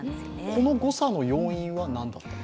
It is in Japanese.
この誤差の要因は何ですか。